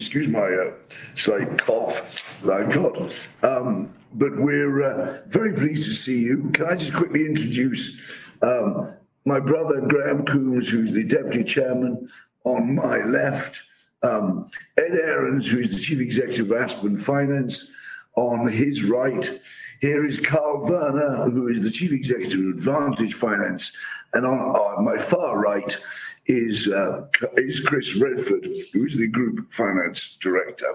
Excuse my slight cough that I got, but we're very pleased to see you. Can I just quickly introduce my brother, Graham Coombs, who's the Deputy Chairman, on my left? Ed Ahrens, who is the Chief Executive of Aspen Finance, on his right. Here is Karl Werner, who is the Chief Executive of Advantage Finance, and on my far right is Chris Redford, who is the Group Finance Director.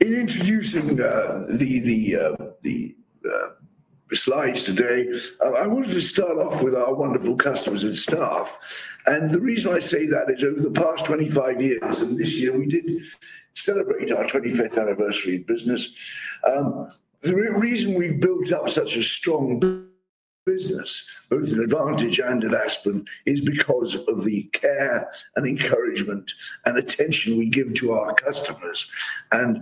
In introducing the slides today, I wanted to start off with our wonderful customers and staff, and the reason I say that is over the past 25 years, and this year we did celebrate our 25th anniversary in business, the reason we've built up such a strong business, both in Advantage and in Aspen, is because of the care and encouragement and attention we give to our customers. Over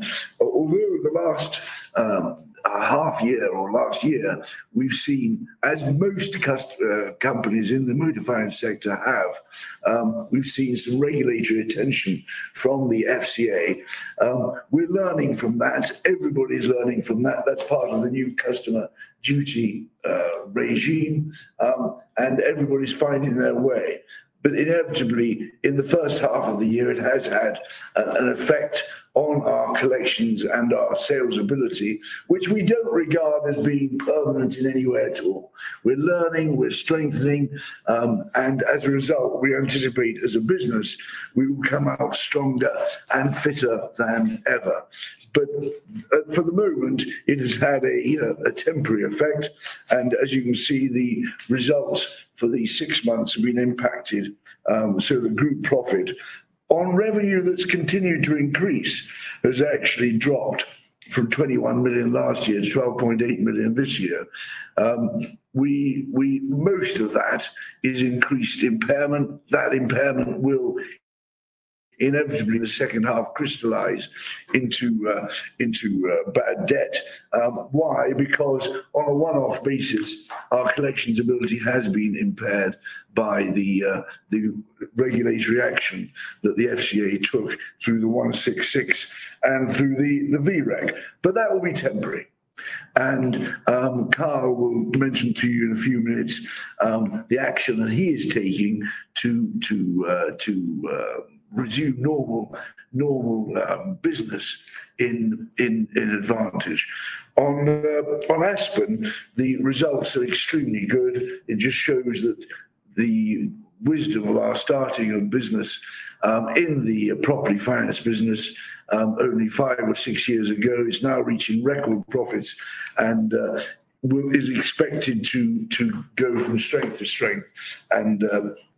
the last half year or last year, we've seen, as most companies in the motor finance sector have, we've seen some regulatory attention from the FCA. We're learning from that. Everybody's learning from that. That's part of the new Customer Duty regime, and everybody's finding their way. But inevitably, in the first half of the year, it has had an effect on our collections and our sales ability, which we don't regard as being permanent in any way at all. We're learning, we're strengthening, and as a result, we anticipate, as a business, we will come out stronger and fitter than ever. But, for the moment, it has had a you know, a temporary effect, and as you can see, the results for these six months have been impacted. So the group profit on revenue that's continued to increase has actually dropped from 21 million last year to 12.8 million this year. We most of that is increased impairment. That impairment will inevitably, in the second half, crystallize into bad debt. Why? Because on a one-off basis, our collections ability has been impaired by the regulatory action that the FCA took through the Section 166 and through the VREQ, but that will be temporary. Karl will mention to you in a few minutes the action that he is taking to resume normal business in Advantage. On Aspen, the results are extremely good. It just shows that the wisdom of our starting of business in the property finance business only five or six years ago is now reaching record profits and is expected to go from strength to strength, and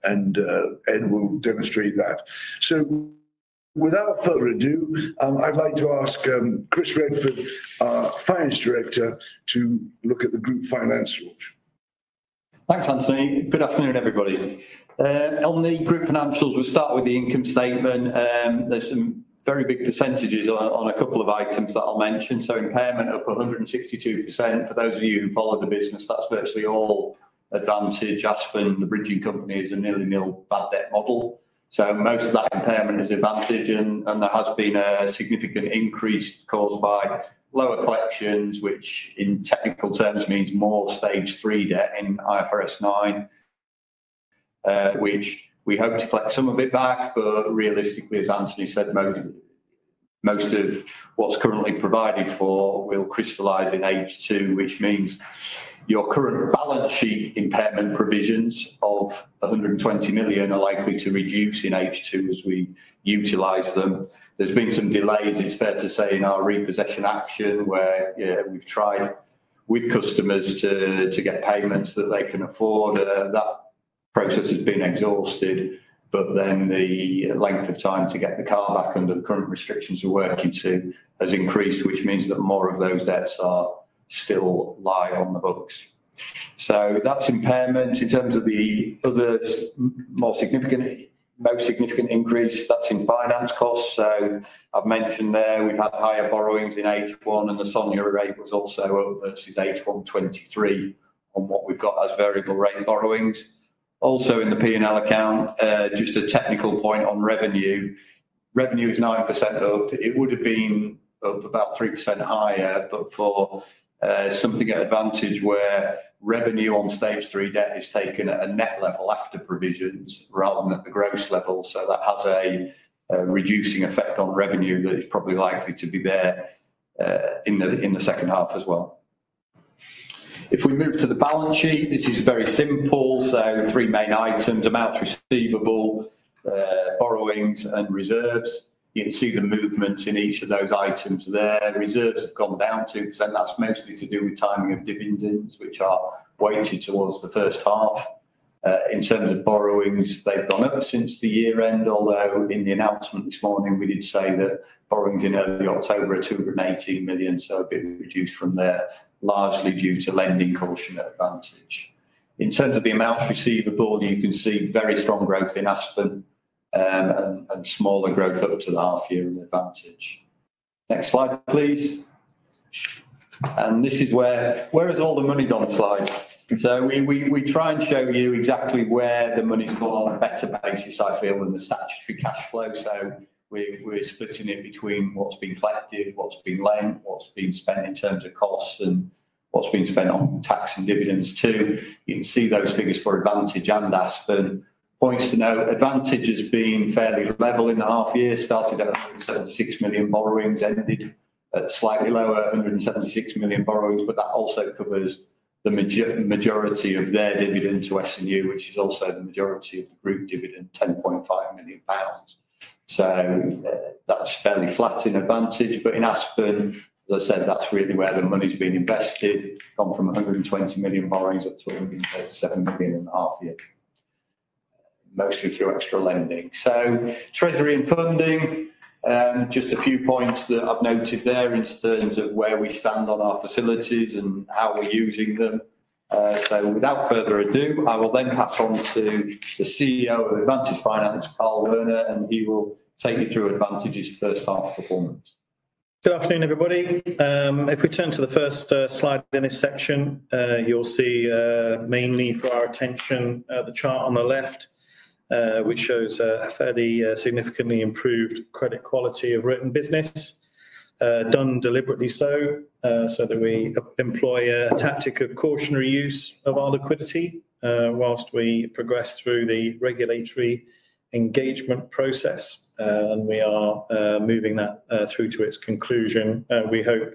Ed will demonstrate that. Without further ado, I'd like to ask Chris Redford, our Finance Director, to look at the group financials. Thanks, Anthony. Good afternoon, everybody. On the group financials, we'll start with the income statement. There's some very big percentages on, on a couple of items that I'll mention. So impairment up 162%. For those of you who follow the business, that's virtually all Advantage. Aspen, the bridging company, is a nearly nil bad debt model. So most of that impairment is Advantage, and there has been a significant increase caused by lower collections, which in technical terms means more Stage 3 debt in IFRS 9, which we hope to collect some of it back, but realistically, as Anthony said, most of what's currently provided for will crystallize in H2, which means your current balance sheet impairment provisions of 120 million are likely to reduce in H2 as we utilize them. There's been some delays, it's fair to say, in our repossession action, where we've tried with customers to get payments that they can afford. That process has been exhausted, but then the length of time to get the car back under the current restrictions we're working to has increased, which means that more of those debts are still lie on the books. So that's impairment. In terms of the other more significant, most significant increase, that's in finance costs. So I've mentioned there, we've had higher borrowings in H1, and the SONIA rate was also up versus H1 twenty-three on what we've got as variable rate borrowings. Also in the P&L account, just a technical point on revenue. Revenue is 9% up. It would have been up about 3% higher, but for something at Advantage where revenue on stage 3 debt is taken at a net level after provisions, rather than at the gross level. So that has a reducing effect on revenue that is probably likely to be there in the second half as well. If we move to the balance sheet, this is very simple. So three main items, amounts receivable, borrowings and reserves. You can see the movement in each of those items there. Reserves have gone down 2%, that's mostly to do with timing of dividends, which are weighted towards the first half. In terms of borrowings, they've gone up since the year end, although in the announcement this morning, we did say that borrowings in early October are 280 million, so have been reduced from there, largely due to lending caution at Advantage. In terms of the amounts receivable, you can see very strong growth in Aspen, and smaller growth up to the half year in Advantage. Next slide, please, and this is where has all the money gone slide? So we try and show you exactly where the money's gone, a better basis, I feel, than the statutory cash flow. So we're splitting it between what's been collected, what's been lent, what's been spent in terms of costs, and what's been spent on tax and dividends too. You can see those figures for Advantage and Aspen. Points to note, Advantage has been fairly level in the half year, started at 176 million borrowings, ended at slightly lower, 176 million borrowings, but that also covers the majority of their dividend to S&U, which is also the majority of the group dividend, 10.5 million pounds. That's fairly flat in Advantage, but in Aspen, as I said, that's really where the money's been invested. Gone from 120 million borrowings up to 137 million in half a year, mostly through extra lending. Treasury and funding, just a few points that I've noted there in terms of where we stand on our facilities and how we're using them. So without further ado, I will then pass on to the CEO of Advantage Finance, Karl Werner, and he will take you through Advantage's first half performance. Good afternoon, everybody. If we turn to the first slide in this section, you'll see, mainly for our attention, the chart on the left, which shows a fairly significantly improved credit quality of written business. Done deliberately so, so that we employ a tactic of cautionary use of our liquidity, whilst we progress through the regulatory engagement process. And we are moving that through to its conclusion, we hope,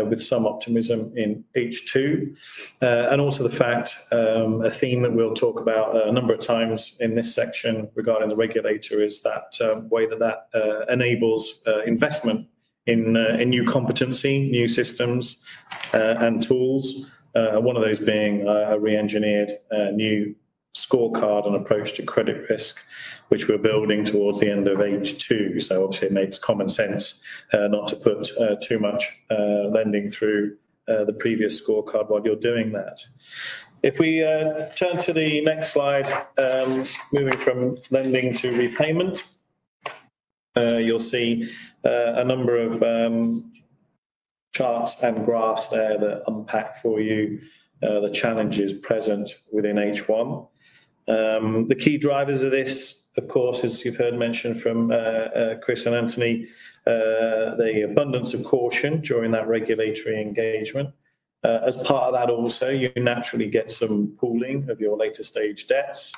with some optimism in H2. And also the fact, a theme that we'll talk about a number of times in this section regarding the regulator is that way that enables investment in new competency, new systems, and tools. One of those being a re-engineered new scorecard and approach to credit risk, which we're building towards the end of H2. So obviously, it makes common sense not to put too much lending through the previous scorecard while you're doing that. If we turn to the next slide, moving from lending to repayment, you'll see a number of charts and graphs there that unpack for you the challenges present within H1. The key drivers of this, of course, as you've heard mentioned from Chris and Anthony, the abundance of caution during that regulatory engagement. As part of that also, you naturally get some pooling of your later stage debts,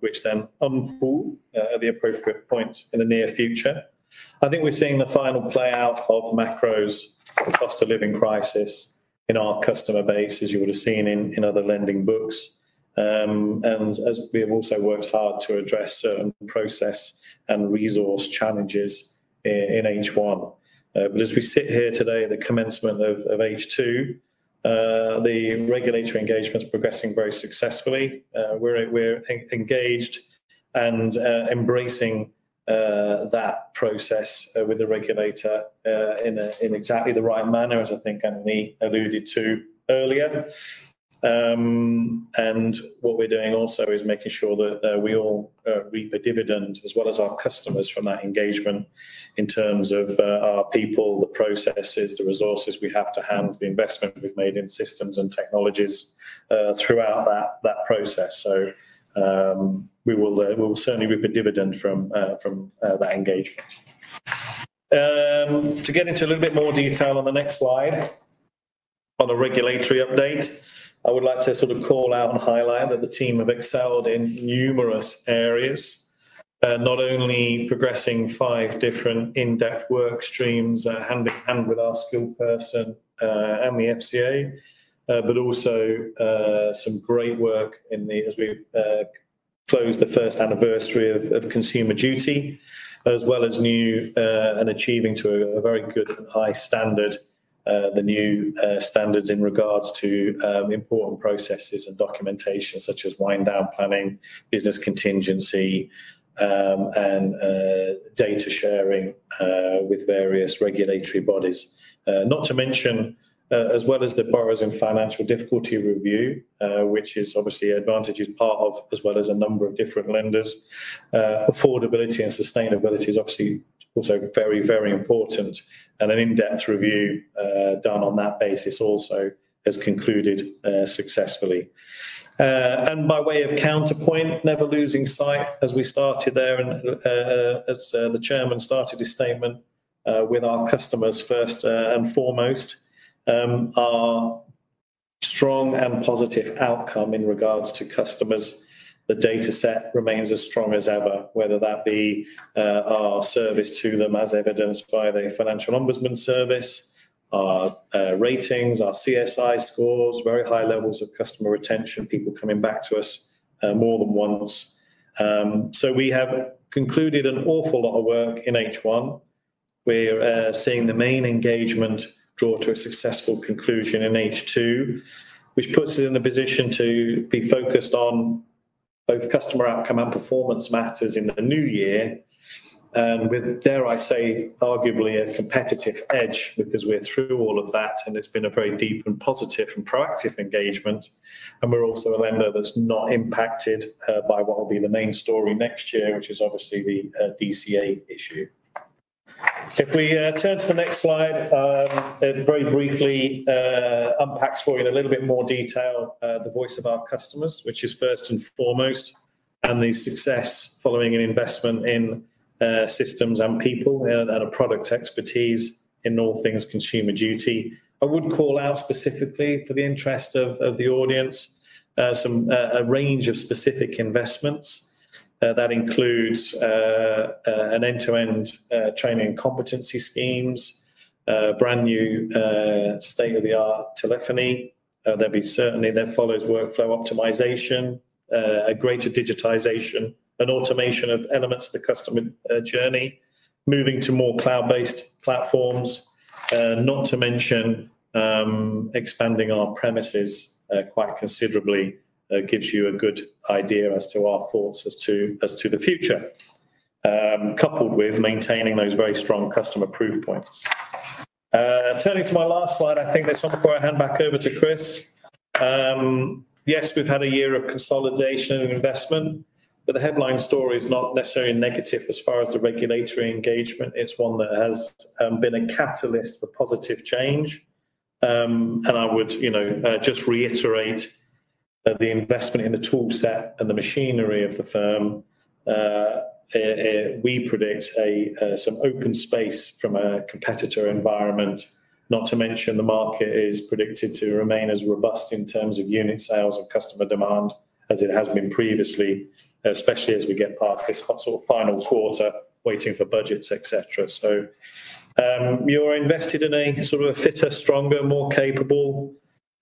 which then unpool at the appropriate point in the near future. I think we're seeing the final playout of macro's cost-of-living crisis in our customer base, as you would have seen in other lending books, and as we have also worked hard to address certain process and resource challenges in H1, but as we sit here today at the commencement of H2, the regulatory engagement is progressing very successfully. We're engaged and embracing that process with the regulator in exactly the right manner, as I think Anthony alluded to earlier, and what we're doing also is making sure that we all reap a dividend, as well as our customers, from that engagement in terms of our people, the processes, the resources we have to hand, the investment we've made in systems and technologies throughout that process. So, we will certainly reap a dividend from that engagement. To get into a little bit more detail on the next slide, on the regulatory update, I would like to sort of call out and highlight that the team have excelled in numerous areas, not only progressing five different in-depth work streams hand-in-hand with our skilled person and the FCA, but also some great work in the... as we close the first anniversary of Consumer Duty, as well as new and achieving to a very good high standard the new standards in regards to important processes and documentation such as wind down planning, business contingency, and data sharing with various regulatory bodies. Not to mention, as well as the borrowers in financial difficulty review, which is obviously Advantage is part of, as well as a number of different lenders. Affordability and sustainability is obviously also very, very important, and an in-depth review done on that basis also has concluded successfully, and by way of counterpoint, never losing sight as we started there and, as the chairman started his statement, with our customers first and foremost. Our strong and positive outcome in regards to customers, the data set remains as strong as ever, whether that be our service to them, as evidenced by the Financial Ombudsman Service, our ratings, our CSI scores, very high levels of customer retention, people coming back to us more than once. So we have concluded an awful lot of work in H1. We're seeing the main engagement draw to a successful conclusion in H2, which puts us in a position to be focused on both customer outcome and performance matters in the new year, with, dare I say, arguably a competitive edge, because we're through all of that, and it's been a very deep and positive and proactive engagement. And we're also a lender that's not impacted by what will be the main story next year, which is obviously the DCA issue. If we turn to the next slide, it very briefly unpacks for you in a little bit more detail the voice of our customers, which is first and foremost, and the success following an investment in systems and people, and a product expertise in all things Consumer Duty. I would call out specifically for the interest of the audience some a range of specific investments that includes an end-to-end training and competency schemes, brand new state-of-the-art telephony. There'll be certainly then follows workflow optimization, a greater digitization and automation of elements of the customer journey, moving to more cloud-based platforms, not to mention expanding our premises quite considerably, gives you a good idea as to our thoughts as to the future, coupled with maintaining those very strong customer proof points. Turning to my last slide, I think this one before I hand back over to Chris. Yes, we've had a year of consolidation and investment, but the headline story is not necessarily negative as far as the regulatory engagement. It's one that has been a catalyst for positive change. I would, you know, just reiterate that the investment in the tool set and the machinery of the firm. We predict some open space from a competitor environment. Not to mention, the market is predicted to remain as robust in terms of unit sales and customer demand as it has been previously, especially as we get past this sort of final quarter, waiting for budgets, et cetera. So, you're invested in a sort of a fitter, stronger, more capable,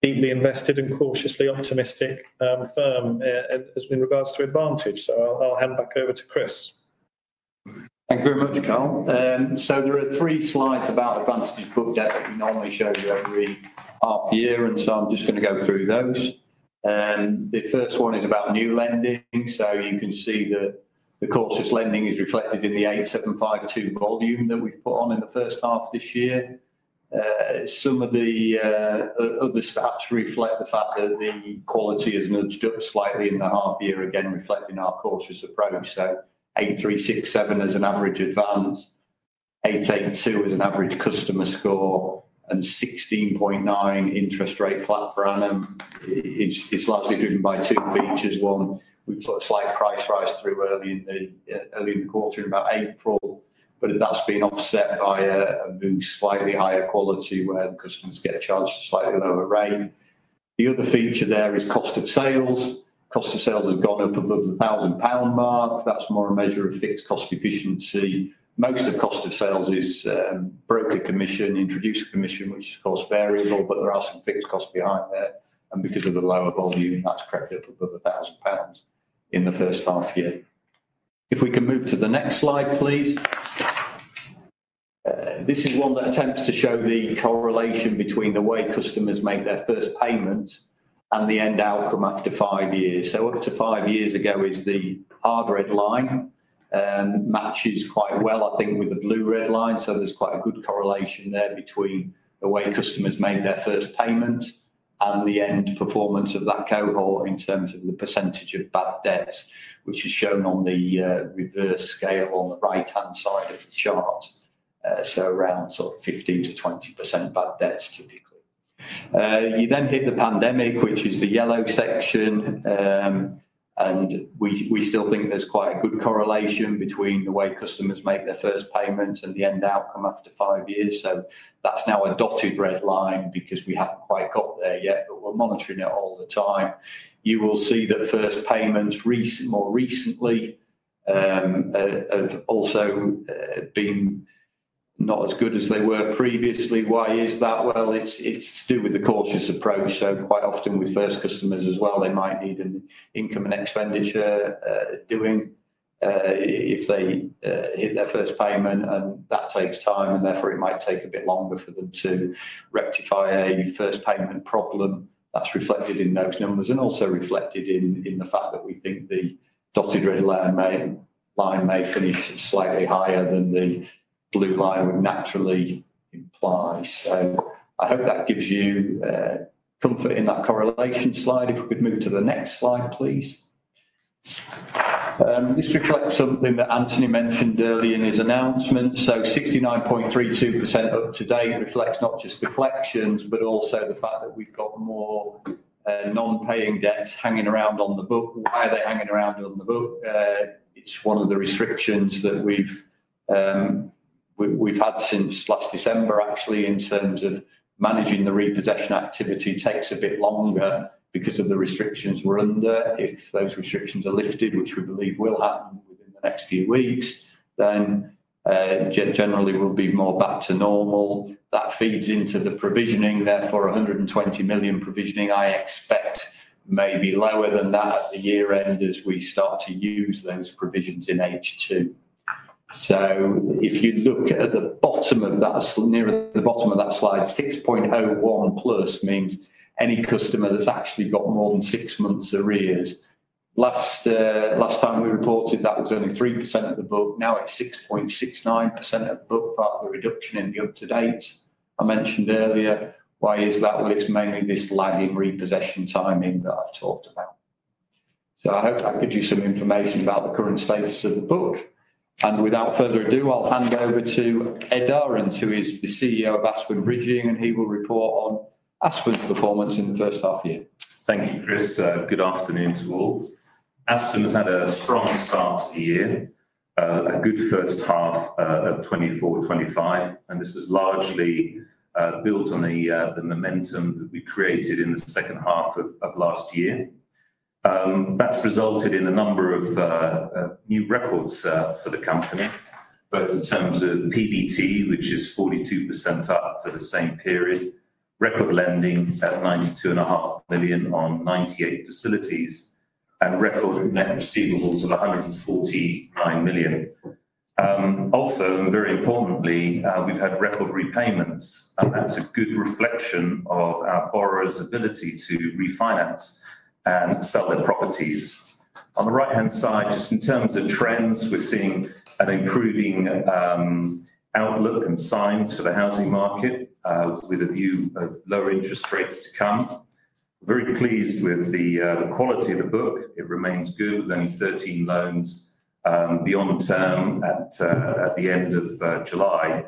deeply invested, and cautiously optimistic firm, as in regards to Advantage. So I'll hand back over to Chris. Thank you very much, Karl. So there are three slides about Advantage book debt that we normally show you every half year, and so I'm just going to go through those. The first one is about new lending. So you can see that the cautious lending is reflected in the 8,752 volume that we've put on in the first half of this year. Some of the other stats reflect the fact that the quality has nudged up slightly in the half year, again, reflecting our cautious approach. So 8,367 as an average advance, 882 as an average customer score, and 16.9% interest rate flat per annum. It's largely driven by two features. One, we put a slight price rise through early in the quarter in about April, but that's been offset by a move, slightly higher quality, where customers get a chance to slightly lower rate. The other feature there is cost of sales. Cost of sales has gone up above the £1,000 mark. That's more a measure of fixed cost efficiency. Most of cost of sales is broker commission, introduced commission, which is, of course, variable, but there are some fixed costs behind there, and because of the lower volume, that's crept up above £1,000 in the first half year. If we can move to the next slide, please. This is one that attempts to show the correlation between the way customers make their first payment and the end outcome after five years. So up to five years ago is the orange line, matches quite well, I think, with the blue-red line. So there's quite a good correlation there between the way customers made their first payment and the end performance of that cohort in terms of the percentage of bad debts, which is shown on the reverse scale on the right-hand side of the chart. So around sort of 15%-20% bad debts, typically. You then hit the pandemic, which is the yellow section, and we still think there's quite a good correlation between the way customers make their first payment and the end outcome after five years. So that's now a dotted red line because we haven't quite got there yet, but we're monitoring it all the time. You will see that first payments recent... More recently, have also been not as good as they were previously. Why is that? Well, it's to do with the cautious approach. So quite often with first customers as well, they might need an income and expenditure doing, if they hit their first payment, and that takes time, and therefore, it might take a bit longer for them to rectify a first payment problem. That's reflected in those numbers and also reflected in the fact that we think the dotted red line may finish slightly higher than the blue line would naturally imply. So I hope that gives you comfort in that correlation slide. If we could move to the next slide, please. This reflects something that Anthony mentioned earlier in his announcement. So 69.32% up-to-date reflects not just the collections, but also the fact that we've got more, non-paying debts hanging around on the book. Why are they hanging around on the book? It's one of the restrictions that we've had since last December, actually, in terms of managing the repossession activity takes a bit longer because of the restrictions we're under. If those restrictions are lifted, which we believe will happen within the next few weeks, then, generally, we'll be more back to normal. That feeds into the provisioning. Therefore, 120 million provisioning, I expect maybe lower than that at the year-end as we start to use those provisions in H2. So if you look at the bottom of that, near the bottom of that slide, six point zero one plus means any customer that's actually got more than six months arrears. Last time we reported, that was only 3% of the book. Now it's 6.69% of the book, part of the reduction in the up-to-date I mentioned earlier. Why is that? Well, it's mainly this lagging repossession timing that I've talked about.... So I hope that gives you some information about the current status of the book. And without further ado, I'll hand over to Ed Ahrens, who is the CEO of Aspen Bridging, and he will report on Aspen's performance in the first half year. Thank you, Chris. Good afternoon to all. Aspen has had a strong start to the year, a good first half of 2024-25, and this is largely built on the momentum that we created in the second half of last year. That's resulted in a number of new records for the company, both in terms of PBT, which is 42% up for the same period, record lending at 92.5 million on 98 facilities, and record net receivables of 149 million. Also, and very importantly, we've had record repayments, and that's a good reflection of our borrowers' ability to refinance and sell their properties. On the right-hand side, just in terms of trends, we're seeing an improving outlook and signs for the housing market with a view of lower interest rates to come. Very pleased with the quality of the book. It remains good, with only thirteen loans beyond term at the end of July,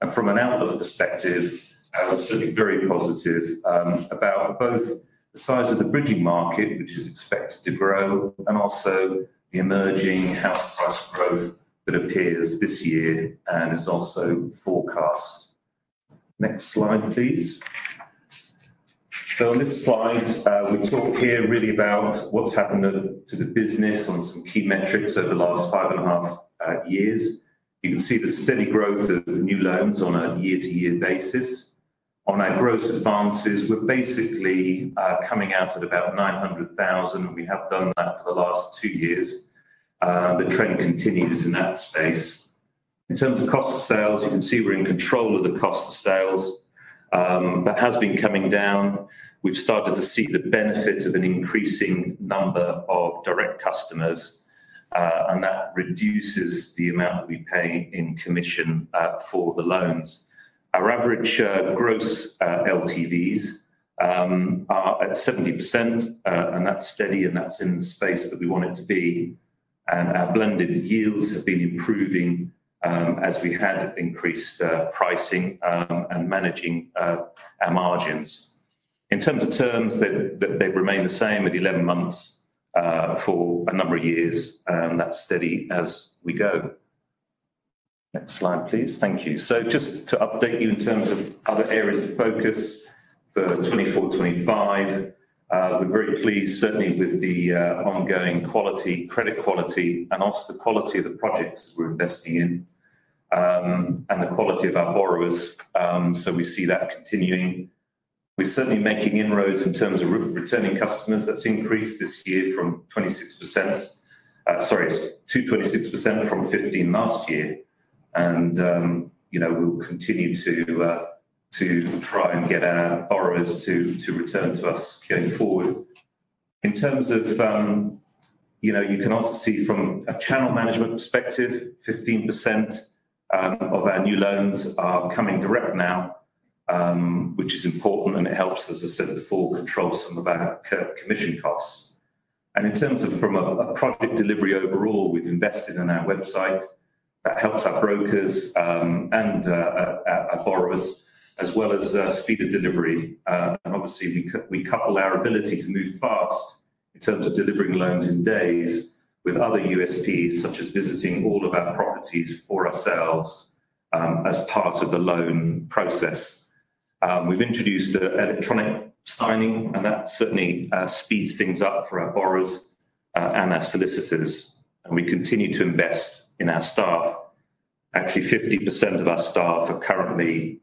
and from an outlook perspective, I was certainly very positive about both the size of the bridging market, which is expected to grow, and also the emerging house price growth that appears this year and is also forecast. Next slide, please, so on this slide we talk here really about what's happened to the business on some key metrics over the last five and a half years. You can see the steady growth of new loans on a year-to-year basis. On our gross advances, we're basically coming out at about 900,000, and we have done that for the last two years. The trend continues in that space. In terms of cost of sales, you can see we're in control of the cost of sales. That has been coming down. We've started to see the benefits of an increasing number of direct customers, and that reduces the amount that we pay in commission for the loans. Our average gross LTVs are at 70%, and that's steady, and that's in the space that we want it to be, and our blended yields have been improving, as we had increased pricing and managing our margins. In terms of terms, they remain the same at 11 months for a number of years, and that's steady as we go. Next slide, please. Thank you. So just to update you in terms of other areas of focus for 2024, 2025, we're very pleased certainly with the ongoing quality, credit quality, and also the quality of the projects we're investing in, and the quality of our borrowers. So we see that continuing. We're certainly making inroads in terms of returning customers. That's increased this year to 26% from 15% last year. And, you know, we'll continue to try and get our borrowers to return to us going forward. In terms of, you know, you can also see from a channel management perspective, 15% of our new loans are coming direct now, which is important, and it helps us to sort of full control some of our co-commission costs. In terms of from a project delivery overall, we've invested in our website. That helps our brokers and our borrowers, as well as speed of delivery. And obviously, we couple our ability to move fast in terms of delivering loans in days with other USPs, such as visiting all of our properties for ourselves, as part of the loan process. We've introduced electronic signing, and that certainly speeds things up for our borrowers and our solicitors, and we continue to invest in our staff. Actually, 50% of our staff are currently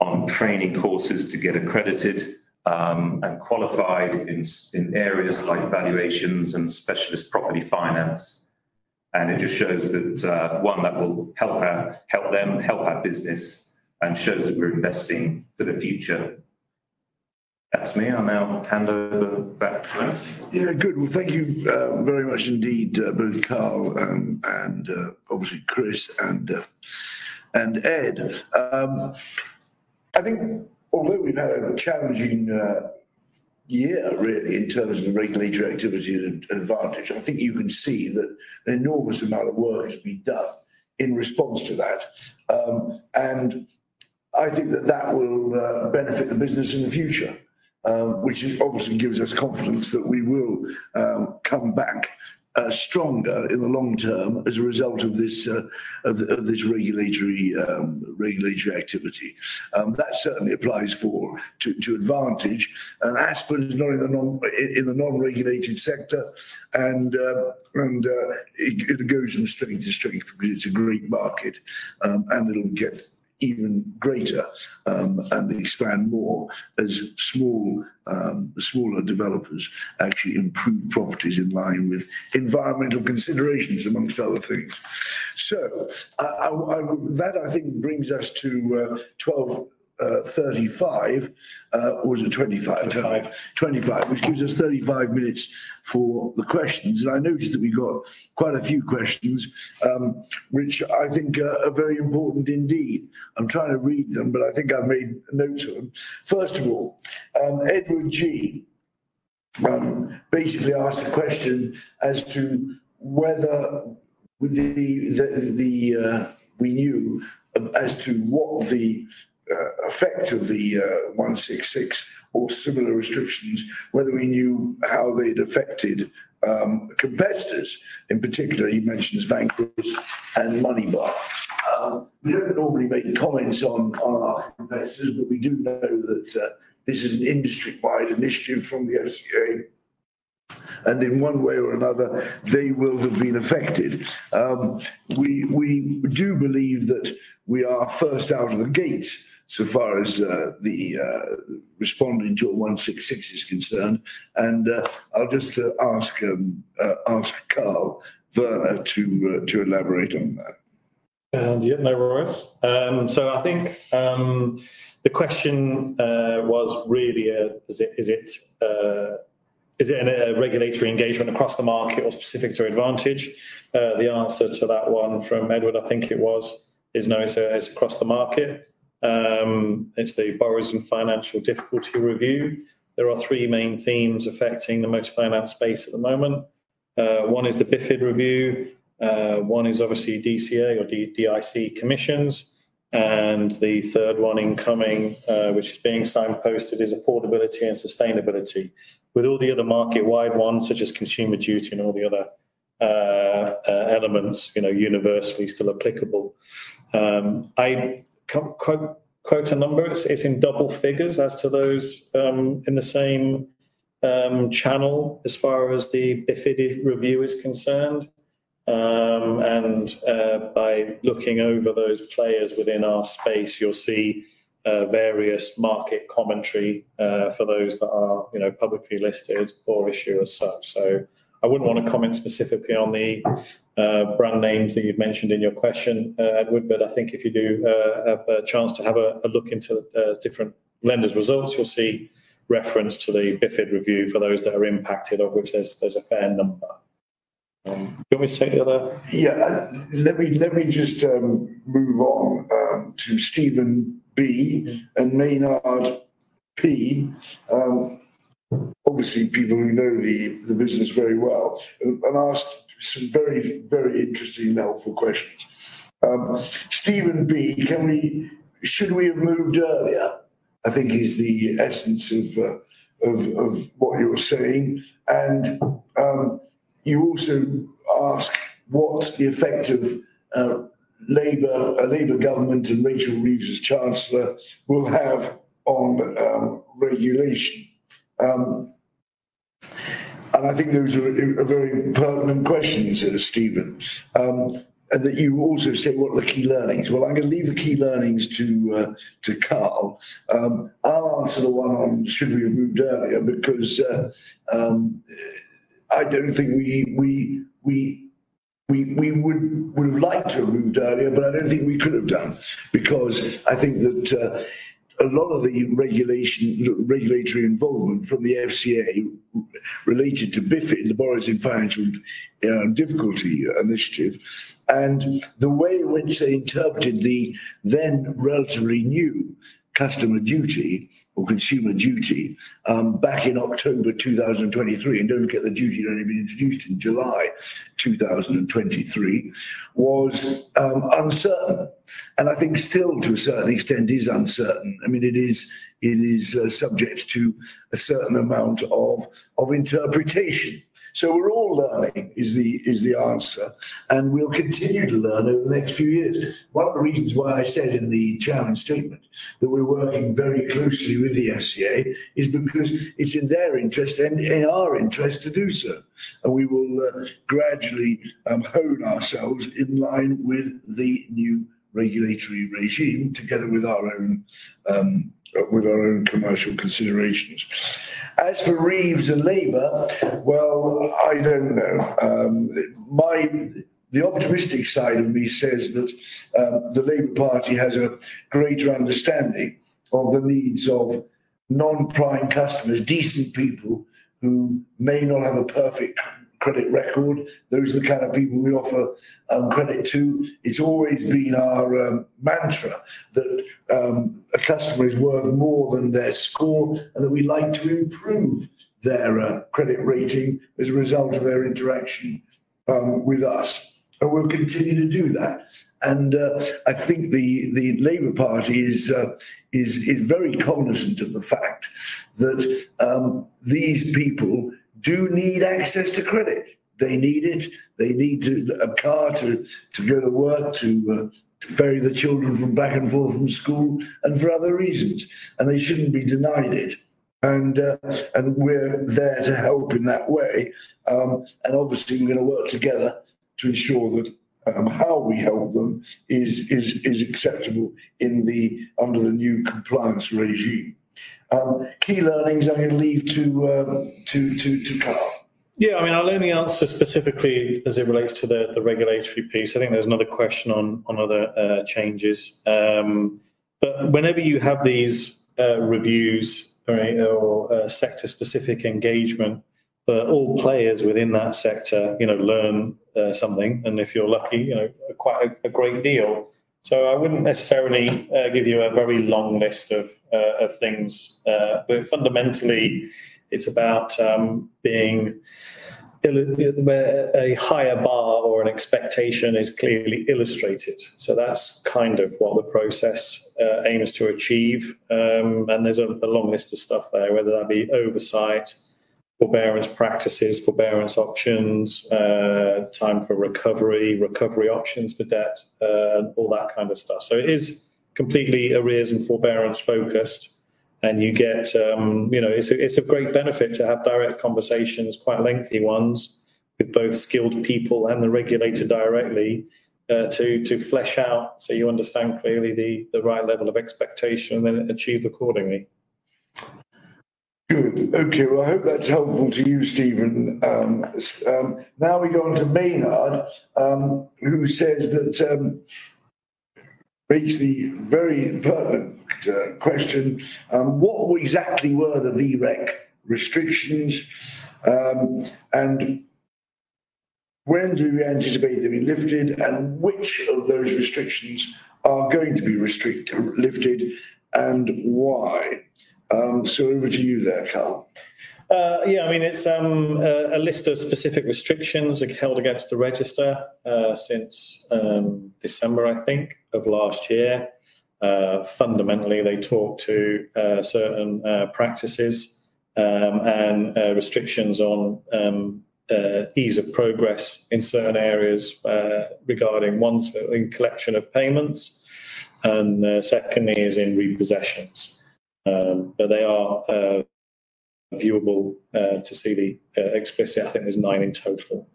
on training courses to get accredited and qualified in areas like valuations and specialist property finance. And it just shows that that will help them help our business and shows that we're investing for the future. That's me. I'll now hand over back to Chris. Yeah, good. Well, thank you very much indeed both Karl and obviously Chris and Ed. I think although we've had a challenging year really in terms of regulatory activity and Advantage, I think you can see that an enormous amount of work has been done in response to that. And I think that will benefit the business in the future which obviously gives us confidence that we will come back stronger in the long term as a result of this of this regulatory activity. That certainly applies to Advantage. Aspen is not in the non-regulated sector, and it goes from strength to strength because it's a great market, and it'll get even greater, and expand more as smaller developers actually improve properties in line with environmental considerations, among other things. That, I think, brings us to 12:35 P.M., or is it 12:25 P.M.? Twenty-five. 25, which gives us 35 minutes for the questions. And I noticed that we got quite a few questions, which I think are very important indeed. I'm trying to read them, but I think I've made a note of them. First of all, Ed Ahrens basically asked a question as to whether we knew as to what the effect of the one six six or similar restrictions, whether we knew how they'd affected competitors. In particular, he mentions Vanquis and Moneybarn. We don't normally make comments on our competitors, but we do know that this is an industry-wide initiative from the FCA, and in one way or another, they will have been affected. We do believe that we are first out of the gate, so far as the responding to a one six six is concerned. And, I'll just ask Karl Werner to elaborate on that. Yeah, no worries. So I think the question was really is it a regulatory engagement across the market or specific to Advantage? The answer to that one from Edward, I think it was, is no, so it's across the market. It's the borrowers in financial difficulty review. There are three main themes affecting the motor finance space at the moment. One is the BiFD review, one is obviously DCA or DCA commissions, and the third one incoming, which is being signposted, is affordability and sustainability. With all the other market-wide ones, such as Consumer Duty and all the other elements, you know, universally still applicable. I quote a number, it's in double figures as to those in the same channel as far as the BiFD review is concerned. And by looking over those players within our space, you'll see various market commentary for those that are, you know, publicly listed or issue as such. So I wouldn't want to comment specifically on the brand names that you've mentioned in your question, Edward, but I think if you do have a chance to have a look into different lenders' results, you'll see reference to the BiFD review for those that are impacted, of which there's a fair number. Do you want me to take the other? Yeah. Let me just move on to Stephen B. and Maynard P. Obviously, people who know the business very well and asked some very, very interesting and helpful questions. Stephen B., "Can we, should we have moved earlier?" I think is the essence of what you were saying, and you also ask what the effect of Labour, a Labour government and Rachel Reeves as Chancellor will have on regulation. I think those are very pertinent questions, Stephen, and that you also said, "What are the key learnings?" I'm going to leave the key learnings to Karl. I'll answer the one on should we have moved earlier, because I don't think we would have liked to have moved earlier, but I don't think we could have done. Because I think that a lot of the regulation, the regulatory involvement from the FCA related to BiFD, the Borrowers in Financial Difficulty initiative, and the way in which they interpreted the then relatively new Customer Duty or Consumer Duty back in October two thousand and twenty-three, and don't forget the duty had only been introduced in July two thousand and twenty-three, was uncertain, and I think still to a certain extent is uncertain. I mean, it is subject to a certain amount of interpretation, so we're all learning is the answer, and we'll continue to learn over the next few years. One of the reasons why I said in the challenge statement that we're working very closely with the FCA is because it's in their interest and in our interest to do so, and we will gradually hone ourselves in line with the new regulatory regime, together with our own commercial considerations. As for Reeves and Labour, well, I don't know. The optimistic side of me says that the Labour Party has a greater understanding of the needs of non-prime customers, decent people who may not have a perfect credit record. Those are the kind of people we offer credit to. It's always been our mantra that a customer is worth more than their score, and that we like to improve their credit rating as a result of their interaction with us, and we'll continue to do that. And I think the Labour Party is very cognizant of the fact that these people do need access to credit. They need it. They need a car to go to work, to ferry the children back and forth from school, and for other reasons, and they shouldn't be denied it. And we're there to help in that way. And obviously, we're going to work together to ensure that how we help them is acceptable under the new compliance regime. Key learnings I'm going to leave to Karl. Yeah, I mean, I'll only answer specifically as it relates to the regulatory piece. I think there's another question on other changes. But whenever you have these reviews or sector-specific engagement. But all players within that sector, you know, learn something, and if you're lucky, you know, quite a great deal. So I wouldn't necessarily give you a very long list of things. But fundamentally, it's about being held to a higher bar or an expectation is clearly illustrated. So that's kind of what the process aims to achieve. And there's a long list of stuff there, whether that be oversight, forbearance practices, forbearance options, time for recovery, recovery options for debt, all that kind of stuff. So it is completely arrears and forbearance focused, and you get, you know... It's a great benefit to have direct conversations, quite lengthy ones, with both skilled people and the regulator directly, to flesh out, so you understand clearly the right level of expectation and then achieve accordingly. Good. Okay, well, I hope that's helpful to you, Stephen. Now we go on to Maynard, who says that raises the very pertinent question, "What exactly were the VREQ restrictions? And when do you anticipate them being lifted, and which of those restrictions are going to be lifted, and why?" So over to you there, Karl. Yeah, I mean, it's a list of specific restrictions held against the register since December, I think, of last year. Fundamentally, they talk to certain practices and restrictions on ease of progress in certain areas regarding ones in collection of payments, and secondly, is in repossessions. But they are viewable to see the explicit. I think there's nine in total.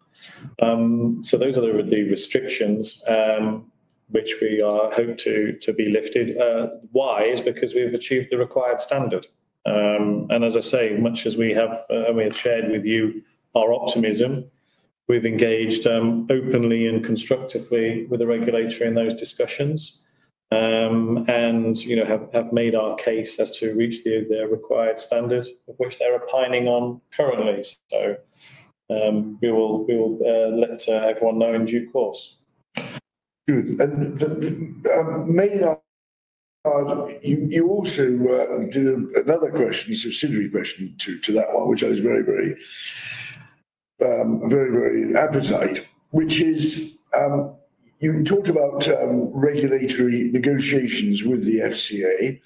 So those are the restrictions which we are hope to be lifted. Why? Is because we've achieved the required standard. And as I say, much as we have shared with you our optimism, we've engaged openly and constructively with the regulator in those discussions, and you know, have made our case as to reach the required standard, of which they're opining on currently. So, we will let everyone know in due course. Good. And Maynard, you also did another question, a subsidiary question to that one, which I was very, very appetite, which is you talked about regulatory negotiations with the FCA.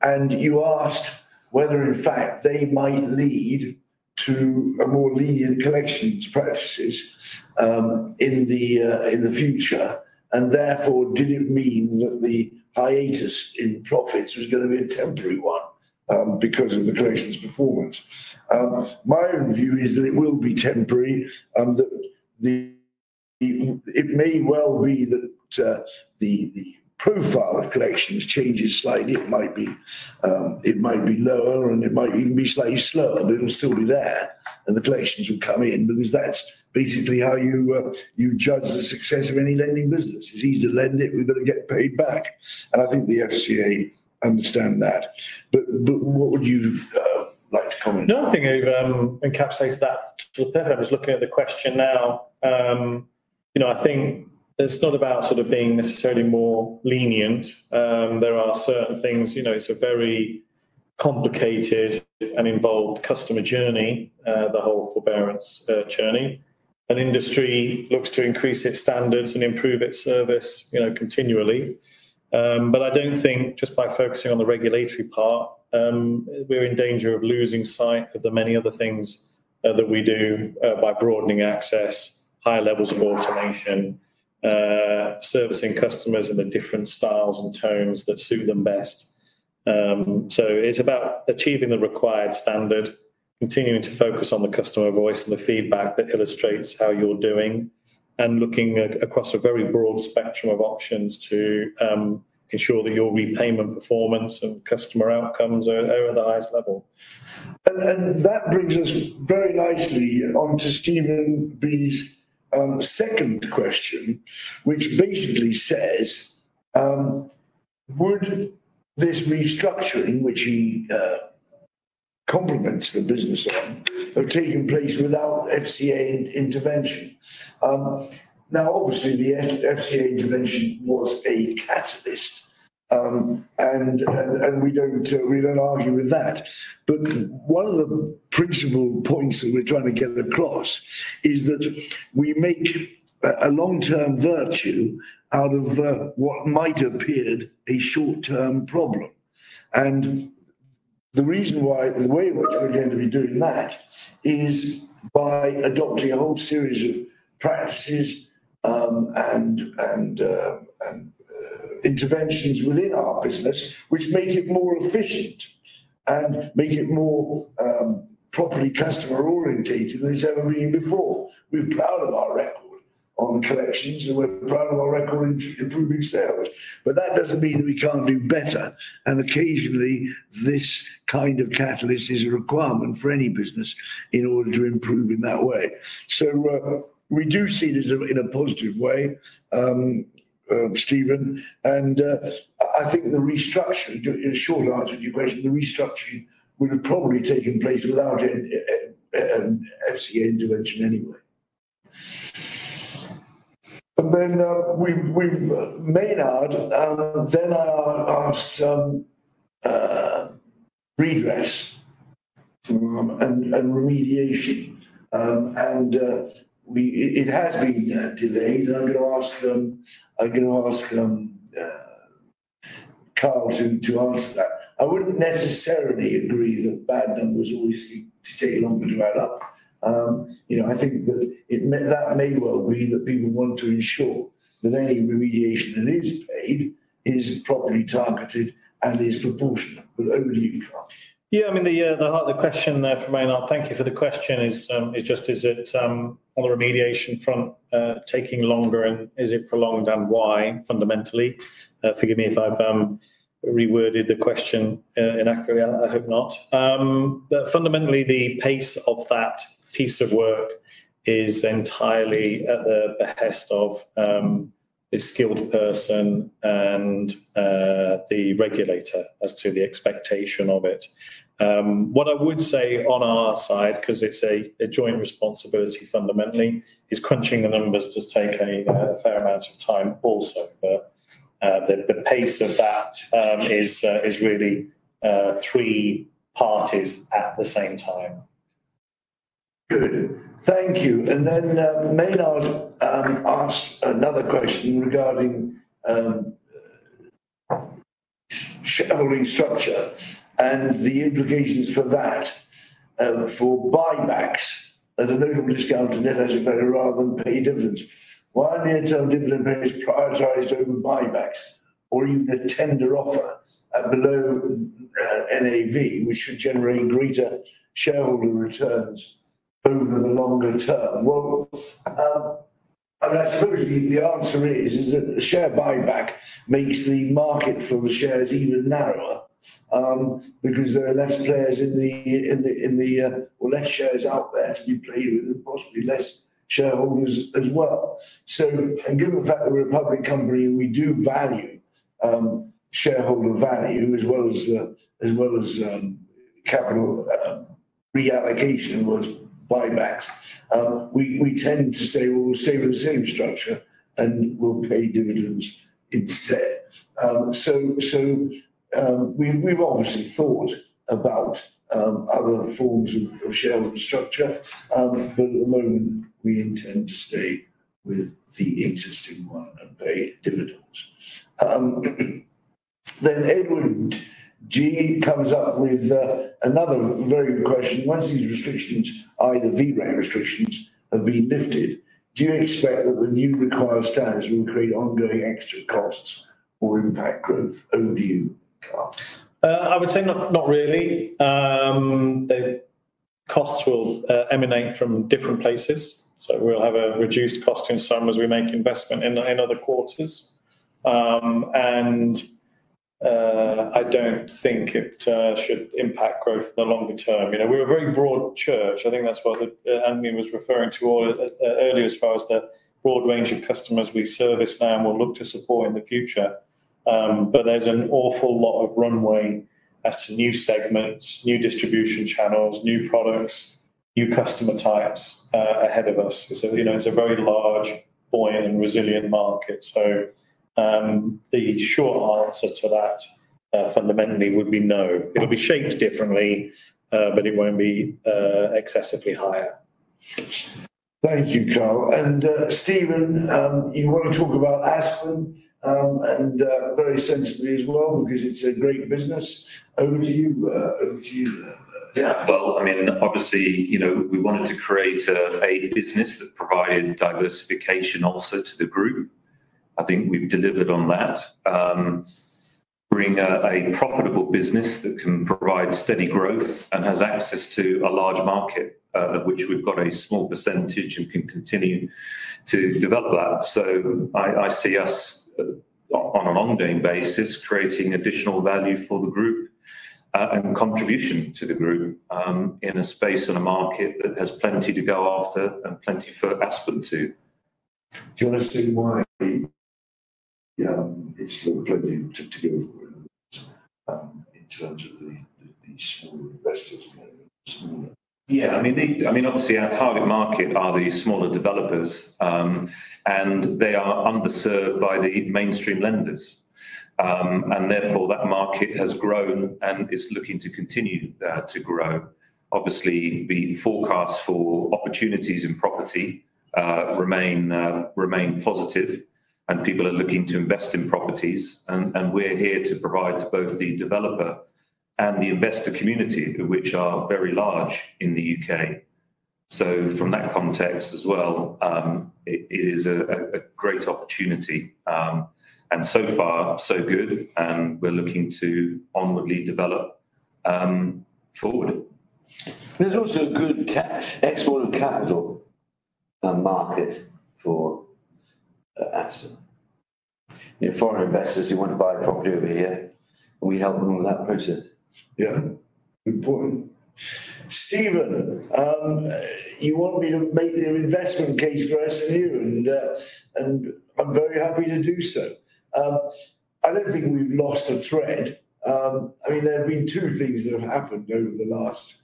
And you asked whether in fact they might lead to a more lenient collections practices in the future, and therefore, did it mean that the hiatus in profits was gonna be a temporary one because of the collections performance? My own view is that it will be temporary, that it may well be that the profile of collections changes slightly. It might be lower, and it might even be slightly slower, but it'll still be there, and the collections will come in because that's basically how you judge the success of any lending business. It's easy to lend it. We've got to get paid back, and I think the FCA understand that. But what would you like to comment? No, I think it encapsulates that. I was looking at the question now. You know, I think it's not about sort of being necessarily more lenient. There are certain things, you know, it's a very complicated and involved customer journey, the whole forbearance journey, and industry looks to increase its standards and improve its service, you know, continually, but I don't think just by focusing on the regulatory part, we're in danger of losing sight of the many other things that we do by broadening access, high levels of automation, servicing customers in the different styles and tones that suit them best. So it's about achieving the required standard, continuing to focus on the customer voice and the feedback that illustrates how you're doing, and looking across a very broad spectrum of options to ensure that your repayment performance and customer outcomes are over the highest level. And that brings us very nicely on to Stephen B's second question, which basically says, "Would this restructuring," which he compliments the business on, "have taken place without FCA intervention?" Now, obviously, the FCA intervention was a catalyst, and we don't argue with that. But one of the principal points that we're trying to get across is that we make a long-term virtue out of what might appeared a short-term problem. The reason why, the way in which we're going to be doing that is by adopting a whole series of practices and interventions within our business, which make it more efficient and make it more properly customer-orientated than it's ever been before. We're proud of our record on collections, and we're proud of our record in improving sales. But that doesn't mean that we can't do better, and occasionally, this kind of catalyst is a requirement for any business in order to improve in that way. So, we do see this in a positive way. Stephen, and I think the restructuring, the short answer to your question, the restructuring would have probably taken place without it, FCA intervention anyway. And then, we've been mandated to do some redress and remediation. And, it has been delayed, and I'm going to ask Karl to answer that. I wouldn't necessarily agree that bad numbers always need to take longer to add up. You know, I think that it may well be that people want to ensure that any remediation that is paid is properly targeted and is proportionate with ODU costs. Yeah, I mean, the heart of the question there from Maynard, thank you for the question, is it on the remediation front taking longer, and is it prolonged and why, fundamentally? Forgive me if I've reworded the question inaccurately. I hope not. But fundamentally, the pace of that piece of work is entirely at the behest of the skilled person and the regulator as to the expectation of it. What I would say on our side, because it's a joint responsibility fundamentally, is crunching the numbers does take a fair amount of time also. The pace of that is really three parties at the same time. Good. Thank you. And then, Maynard asked another question regarding shareholding structure and the implications for that for buybacks at a notable discount to net asset value rather than pay dividends. Why aren't some dividend payers prioritize over buybacks or even a tender offer at below NAV, which should generate greater shareholder returns over the longer term? Well, and I suppose the answer is that the share buyback makes the market for the shares even narrower because there are less players, well, less shares out there to be played with and possibly less shareholders as well. And given the fact that we're a public company and we do value shareholder value, as well as capital reallocation towards buybacks, we tend to say, "Well, we'll stay with the same structure, and we'll pay dividends instead." So, we've obviously thought about other forms of shareholder structure, but at the moment, we intend to stay with the existing one and pay dividends. Then Ed Ahrens comes up with another very good question: Once these restrictions, i.e., the VREQ restrictions, have been lifted, do you expect that the new required standards will create ongoing extra costs or impact growth over you, Karl? I would say not, not really. The costs will emanate from different places, so we'll have a reduced cost in some as we make investment in other quarters. I don't think it should impact growth in the longer term. You know, we're a very broad church. I think that's what Anthony was referring to earlier as far as the broad range of customers we service now and will look to support in the future. There's an awful lot of runway as to new segments, new distribution channels, new products, new customer types ahead of us. You know, it's a very large, buoyant, and resilient market. The short answer to that fundamentally would be no. It'll be shaped differently, but it won't be excessively higher. Thank you, Karl. And, Stephen, you want to talk about Aspen, and, very sensibly as well, because it's a great business. Over to you, over to you. Yeah. Well, I mean, obviously, you know, we wanted to create a business that provided diversification also to the group. I think we've delivered on that. Bring a profitable business that can provide steady growth and has access to a large market, of which we've got a small percentage and can continue to develop that. So I see us, on an ongoing basis, creating additional value for the group, and contribution to the group, in a space and a market that has plenty to go after and plenty for Aspen too. Do you want to say more on the, it's got plenty to go for, in terms of the smaller investors and the smaller- Yeah, I mean, obviously, our target market are the smaller developers, and they are underserved by the mainstream lenders. And therefore, that market has grown and is looking to continue to grow. Obviously, the forecasts for opportunities in property remain positive, and people are looking to invest in properties, and we're here to provide both the developer and the investor community, which are very large in the UK. So from that context as well, it is a great opportunity, and so far, so good, and we're looking to onwardly develop forward. There's also a good cash export of capital market for Aspen. You know, foreign investors who want to buy property over here, and we help them with that process. Yeah, good point. Stephen, you want me to make the investment case for S&U, and I'm very happy to do so. I don't think we've lost a thread. I mean, there have been two things that have happened over the last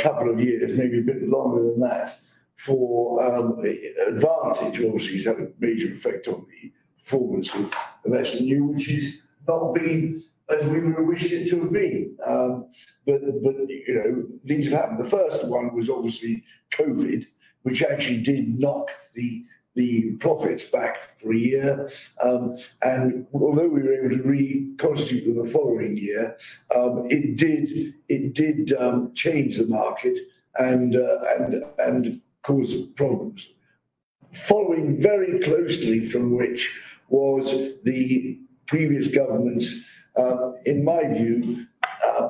couple of years, maybe a bit longer than that, for Advantage, obviously, has had a major effect on the performance of S&U, which has not been as we would wish it to have been. But you know, things have happened. The first one was obviously COVID, which actually did knock the profits back for a year. And although we were able to reconstitute the following year, it did change the market and cause problems. Following very closely from which was the previous government's, in my view,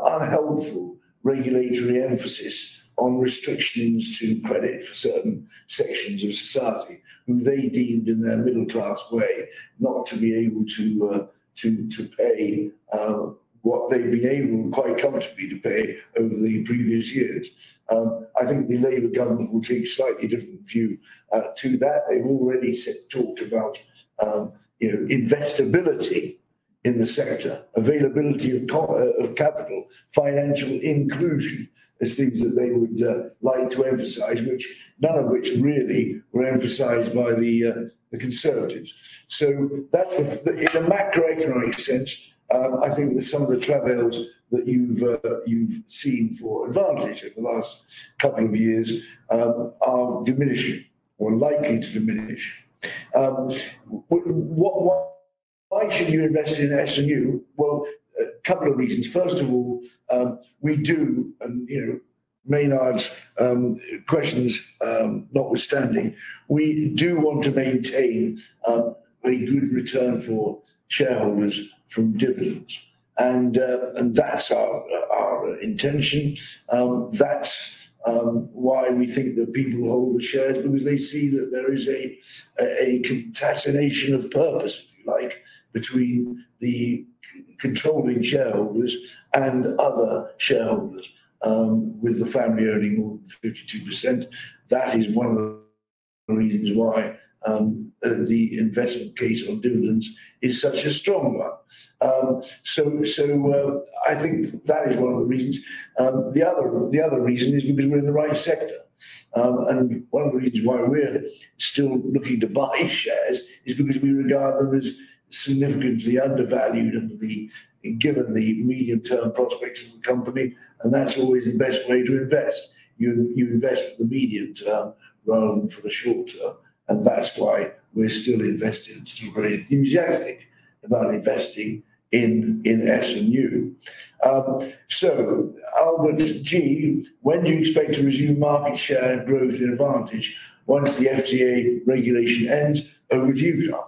unhelpful regulatory emphasis on restrictions to credit for certain sections of society, who they deemed in their middle-class way, not to be able to pay what they'd been able quite comfortably to pay over the previous years. I think the Labour government will take a slightly different view to that. They've already talked about, you know, investability in the sector, availability of capital, financial inclusion, as things that they would like to emphasize, which none of which really were emphasized by the Conservatives. So that's the, in the macroeconomic sense, I think that some of the travails that you've seen for Advantage over the last couple of years are diminishing or likely to diminish. But what, why should you invest in S&U? Well, a couple of reasons. First of all, we do, and, you know, Maynard's questions, notwithstanding, we do want to maintain a good return for shareholders from dividends. And that's our intention. That's why we think that people hold the shares, because they see that there is a concatenation of purpose, like, between the controlling shareholders and other shareholders, with the family owning more than 52%. That is one of the reasons why the investment case on dividends is such a strong one. So I think that is one of the reasons. The other reason is because we're in the right sector. And one of the reasons why we're still looking to buy shares is because we regard them as significantly undervalued and given the medium-term prospects of the company, and that's always the best way to invest. You invest for the medium term rather than for the short term, and that's why we're still invested, and still very enthusiastic about investing in S&U. So, Albert, G, when do you expect to resume market share and growth in Advantage once the FCA regulation ends overdue?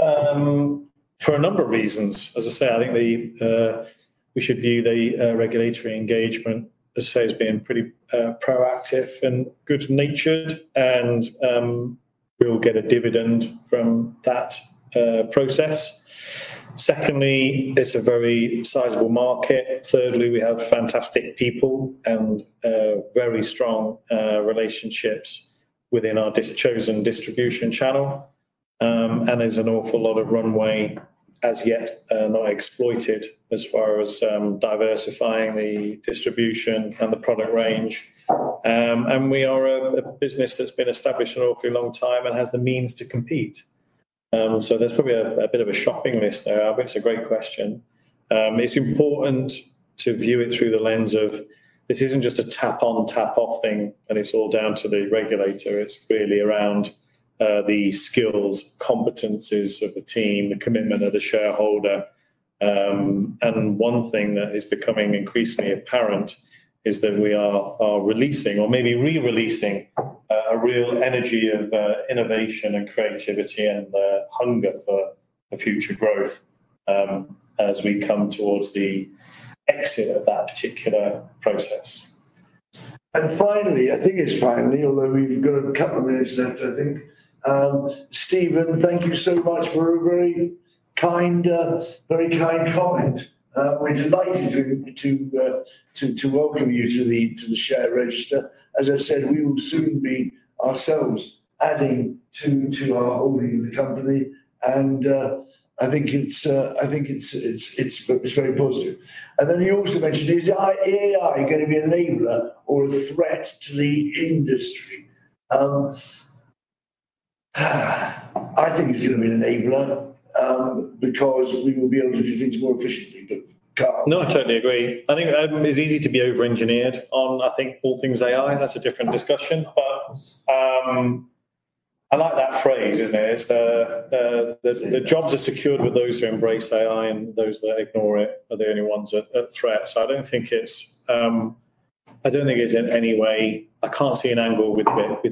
For a number of reasons, as I say, I think we should view the regulatory engagement as, say, as being pretty proactive and good-natured, and we'll get a dividend from that process. Secondly, it's a very sizable market. Thirdly, we have fantastic people and very strong relationships within our chosen distribution channel, and there's an awful lot of runway as yet not exploited as far as diversifying the distribution and the product range, and we are a business that's been established for an awfully long time and has the means to compete, so there's probably a bit of a shopping list there, but it's a great question. It's important to view it through the lens of this isn't just a tap on, tap off thing, and it's all down to the regulator. It's really around the skills, competencies of the team, the commitment of the shareholder. And one thing that is becoming increasingly apparent is that we are releasing or maybe re-releasing a real energy of innovation and creativity and the hunger for the future growth as we come towards the exit of that particular process. And finally, although we've got a couple of minutes left, I think. Stephen, thank you so much for a very kind comment. We're delighted to welcome you to the share register. As I said, we will soon be ourselves adding to our holding of the company, and I think it's very positive. And then he also mentioned, is AI going to be an enabler or a threat to the industry? I think it's going to be an enabler because we will be able to do things more efficiently. But- No, I totally agree. I think, it's easy to be over-engineered on, I think, all things AI, and that's a different discussion. But, I like that phrase, isn't it? It's the jobs are secured with those who embrace AI, and those that ignore it are the only ones at threat. So I don't think it's, I don't think it's in any way... I can't see an angle with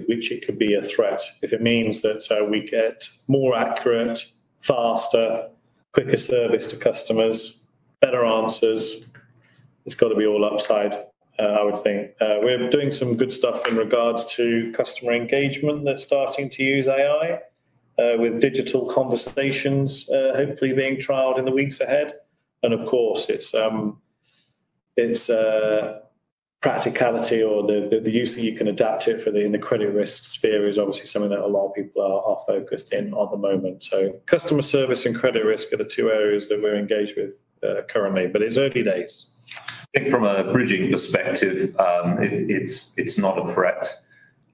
which it could be a threat. If it means that, we get more accurate, faster, quicker service to customers, better answers, it's got to be all upside, I would think. We're doing some good stuff in regards to customer engagement that's starting to use AI... with digital conversations, hopefully being trialed in the weeks ahead. Of course, it's practicality or the use that you can adapt it for in the credit risk sphere is obviously something that a lot of people are focused in on the moment. Customer service and credit risk are the two areas that we're engaged with currently, but it's early days. I think from a bridging perspective, it's not a threat.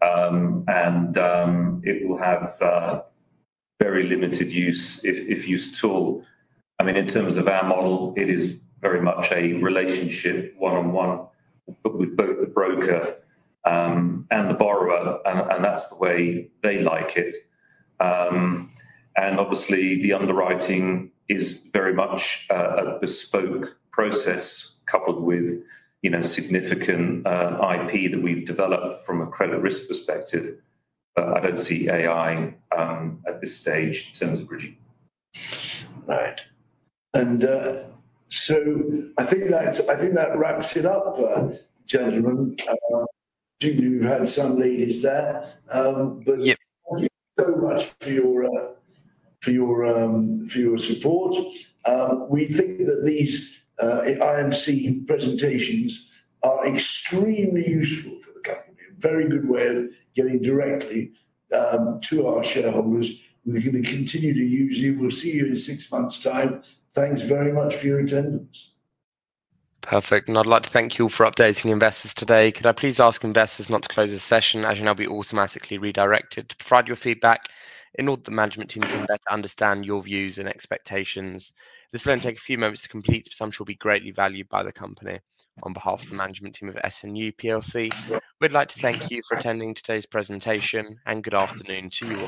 It will have very limited use, if use at all. I mean, in terms of our model, it is very much a relationship, one-on-one, but with both the broker and the borrower, and that's the way they like it. Obviously, the underwriting is very much a bespoke process coupled with, you know, significant IP that we've developed from a credit risk perspective. But I don't see AI at this stage in terms of bridging. Right. And, so I think that wraps it up, gentlemen. Do you have some ladies there? Yep. Thank you so much for your support. We think that these IMC presentations are extremely useful for the company, a very good way of getting directly to our shareholders. We're gonna continue to use you. We'll see you in six months' time. Thanks very much for your attendance. Perfect, and I'd like to thank you all for updating investors today. Could I please ask investors not to close this session, as you'll now be automatically redirected to provide your feedback in order that the management team can better understand your views and expectations. This will only take a few moments to complete, but it shall be greatly valued by the company. On behalf of the management team of S&U PLC, we'd like to thank you for attending today's presentation, and good afternoon to you all.